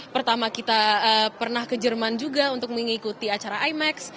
pertama kita pernah ke jerman juga untuk mengikuti acara imax